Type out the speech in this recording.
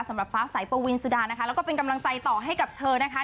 ฟ้าสายปวีนสุดานะคะแล้วก็เป็นกำลังใจต่อให้กับเธอนะคะ